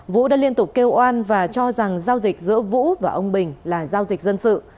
vũ đã liên tục kêu oan và cho rằng giao dịch giữa vũ và ông bình là giao dịch dân sự